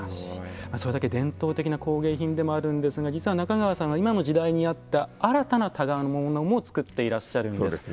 それだけ伝統的な工芸品でもあるんですが実は中川さんは今の時代に合った新たな箍物も作っていらっしゃるんです。